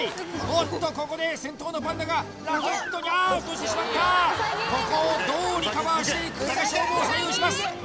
おっとここで先頭のパンダがラケットにあ落としてしまったここをどうリカバーしていくかが勝負を左右します